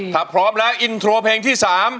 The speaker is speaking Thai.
ถ้าพร้อมแล้วอินโทรเพลงที่๓